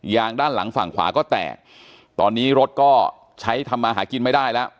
ด้านหลังฝั่งขวาก็แตกตอนนี้รถก็ใช้ทำมาหากินไม่ได้แล้ว